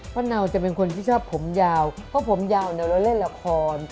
เนาจะเป็นคนที่ชอบผมยาวเพราะผมยาวเนี่ยเราเล่นละคร